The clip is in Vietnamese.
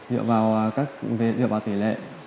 dựa vào tỷ lệ